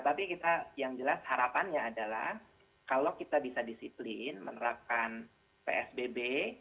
tapi kita yang jelas harapannya adalah kalau kita bisa disiplin menerapkan psbb